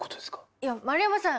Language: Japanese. いや円山さん